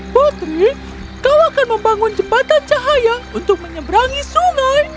putri kau akan membangun jembatan cahaya untuk menyeberangi sungai